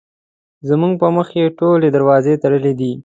زموږ پر مخ یې ټولې دروازې تړلې دي.